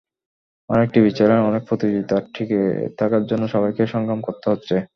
অনেক TV channel, অনেক প্রতিযোগিতা, টিকে থাকার জন্য সবাইকে সংগ্রাম করতে হচ্ছে।